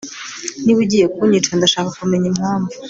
Niba ugiye kunyica ndashaka kumenya impamvu